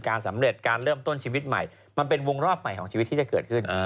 สำเร็จการเริ่มต้นชีวิตใหม่มันเป็นวงรอบใหม่ของชีวิตที่จะเกิดขึ้น